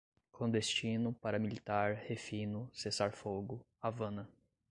clandestino, paramilitar, refino, cessar-fogo, Havana